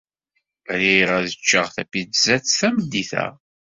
RiƔ ad ččeƔ tapizzat tameddit-a.